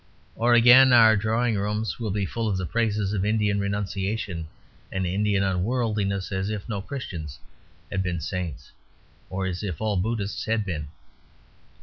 Or again, our drawing rooms will be full of the praises of Indian renunciation and Indian unworldliness, as if no Christians had been saints, or as if all Buddhists had been.